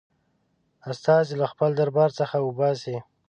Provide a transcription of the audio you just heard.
استازی له خپل دربار څخه وباسي.